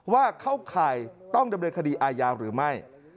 เข้าข่ายต้องดำเนินคดีอาญาหรือไม่